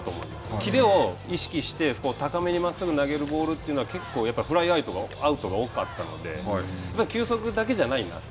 切れを意識して高めに真っすぐ投げるボールというのは結構やっぱりフライアウトが多かったので球速だけじゃないなと。